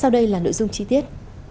đây là nội dung chi tiết